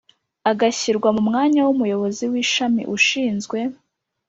agashyirwa mu mwanya w Umuyobozi w Ishami ushinzwe